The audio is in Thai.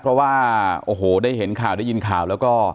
เพราะว่าโอ้โหได้เห็นข่าวได้ยินข่าวแล้วก็